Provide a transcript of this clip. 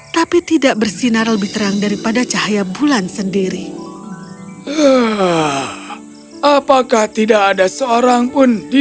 tapi tidak bersinar lebih terang daripada cahaya bulan sendiri apakah tidak ada seorang pun di